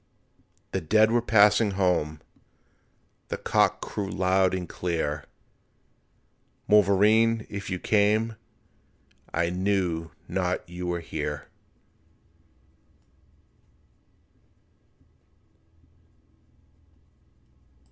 The dead were passing home, The cock crew loud and clear, Mavourneen, if you came, I knew not you were here.